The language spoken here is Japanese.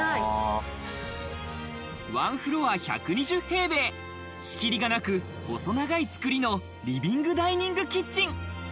ワンフロア１２０平米、仕切りがなく、細長いつくりのリビングダイニングキッチン。